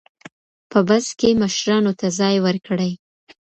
په بس کې مشرانو ته ځای ورکړئ.